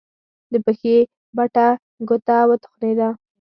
د پښې بټه ګوته وتخنېده.